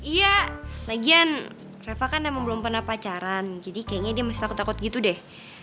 iya lagian reva kan emang belum pernah pacaran jadi kayaknya dia masih takut takut gitu deh